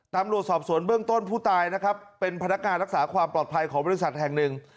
ตำรวจสอบสวนเบื้องต้นผู้ตายนะครับเป็นพนักงานรักษาความปลอดภัยของบริษัทแห่งหนึ่ง